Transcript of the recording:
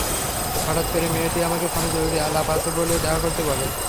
হঠাৎ করে মেয়েটি আমাকে ফোনে জরুরি আলাপ আছে বলে দেখা করতে বলে।